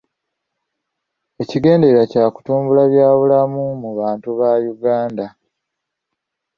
Ekigendererwa kya kutumbula bya bulamu mu bantu ba Uganda.